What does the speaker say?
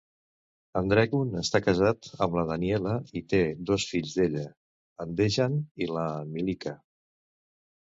En Drecun està casat amb la Daniela i té dos fills d'ella, en Dejan i la Milica.